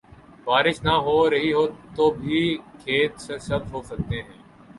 بارش نہ ہو رہی ہو تو بھی کھیت سرسبز ہو سکتے ہیں۔